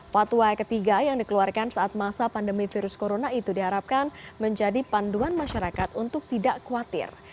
fatwa ketiga yang dikeluarkan saat masa pandemi virus corona itu diharapkan menjadi panduan masyarakat untuk tidak khawatir